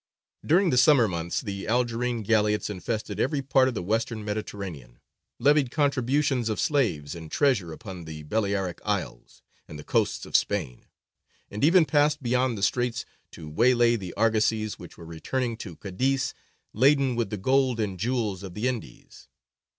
During the summer months the Algerine galleots infested every part of the Western Mediterranean, levied contributions of slaves and treasure upon the Balearic Isles and the coasts of Spain, and even passed beyond the straits to waylay the argosies which were returning to Cadiz laden with the gold and jewels of the Indies.